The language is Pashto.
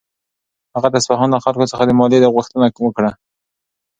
هغه د اصفهان له خلکو څخه د مالیې غوښتنه وکړه.